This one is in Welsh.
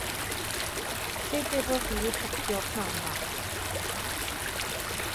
Tyd efo fi i siopio p'nawn 'ma.